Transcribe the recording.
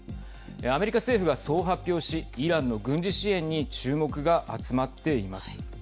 アメリカ政府が、そう発表しイランの軍事支援に注目が集まっています。